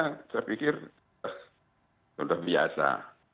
saya pikir sudah biasa